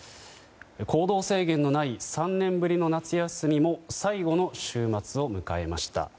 行動制限のない３年ぶりの夏休みも最後の週末を迎えました。